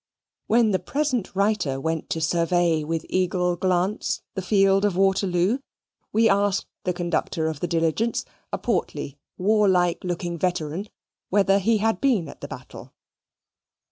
When the present writer went to survey with eagle glance the field of Waterloo, we asked the conductor of the diligence, a portly warlike looking veteran, whether he had been at the battle.